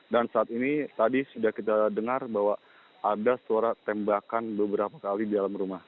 dan saat ini tadi sudah kita dengar bahwa ada suara tembakan beberapa kali di dalam rumah